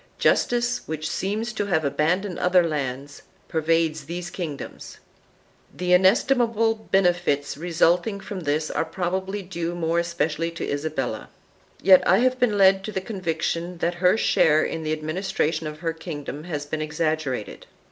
Justice, which seems to have abandoned other lands, pervades these kingdoms/'3 The inestimable benefits resulting from this are probably due more especially to Isabella. Yet I have been led to the conviction that her share in the administration of her kingdom has been exaggerated.